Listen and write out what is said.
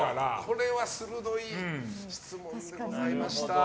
これは鋭い質問でございました。